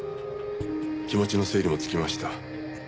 「気持ちの整理もつきました」